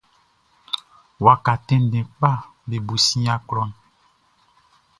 Waka tɛnndɛn kpaʼm be bo sin yia klɔʼn.